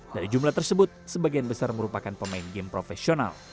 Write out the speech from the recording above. dari jumlah tersebut sebagian besar merupakan pemain game profesional